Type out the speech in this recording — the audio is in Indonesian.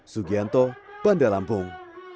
sugianto bandar lampung